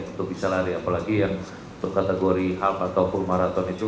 untuk bisa lari apalagi yang untuk kategori half atau full maraton itu